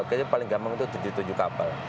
kita paling gampang untuk tujuh tujuh kapal